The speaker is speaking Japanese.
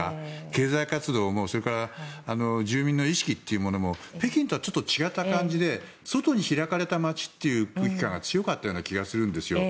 経済活動もそれから住民の意識というものも北京とはちょっと違った感じで外に開かれた街という空気感が強かったと思うんですよ。